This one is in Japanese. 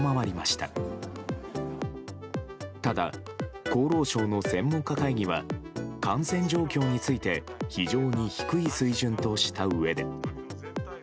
ただ、厚労省の専門家会議は、感染状況について非常に低い水準としたうえで。